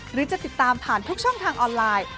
หรือจะติดตามผ่านทุกช่องทางออนไลน์